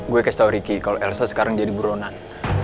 gue kasih tau ricky kalau elsa sekarang jadi buronan